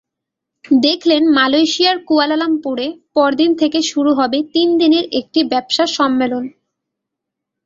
দেখলেন মালয়েশিয়ার কুয়ালালামপুরে পরদিন থেকে শুরু হবে তিন দিনের একটি ব্যবসা সম্মেলন।